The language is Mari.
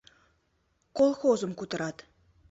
Колхозым кутырат.